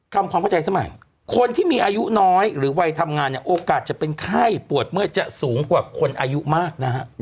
ความเข้าใจสมัยคนที่มีอายุน้อยหรือวัยทำงานเนี่ยโอกาสจะเป็นไข้ปวดเมื่อยจะสูงกว่าคนอายุมากนะฮะ